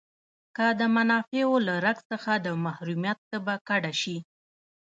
که د منافعو له رګ څخه د محرومیت تبه کډه شي.